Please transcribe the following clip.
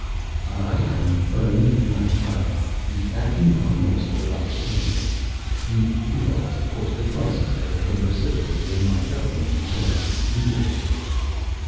"I am Fernd Massan, the Acting Prime Minister of Acquatainia. You realize, of course, the crisis that has been precipitated in my Government because of this duel?"